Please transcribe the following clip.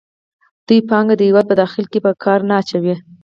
دوی پانګه د هېواد په داخل کې په کار نه اچوي